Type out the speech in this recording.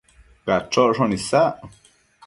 Cachocshon isac